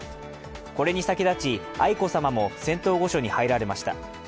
これに先立ち愛子さまも仙洞御所に入られました。